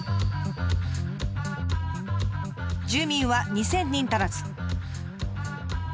住民は２，０００人足らず。